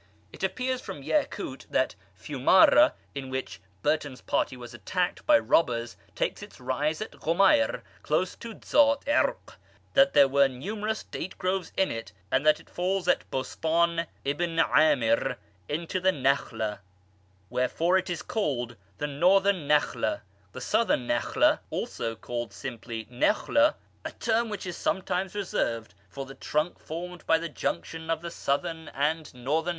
It appears from Yacut that the Fiumara in which Burtons party was attacked by robbers takes its rise at Ghomayr close to Dzat Irq, that there were numerous date groves in it, and that it falls at Bostan Ibn camir into the Nakhla, wherefore it is called the Northern Nakhla. The Southern Nakhla, also called simply Nakhla, a term which is sometimes reserved for the trunk formed by the junction of the Southern and Northern [p.